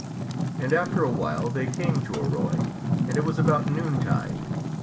And after awhile they came to Arroy, and it was about noon tide.